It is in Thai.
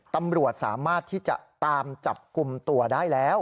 ตำรวจสามารถที่จะตามจับกลุ่มตัวได้แล้ว